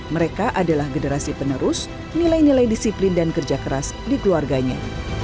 mereka adalah generasi penerus nilai nilai disiplin dan kerja keras di keluarganya